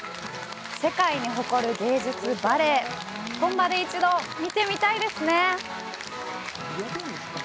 世界に誇る芸術、バレエ本場で一度見てみたいですね！